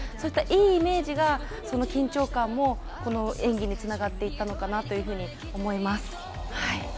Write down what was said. いったいいイメージが緊張感も、この演技につながっていったのかなと思います。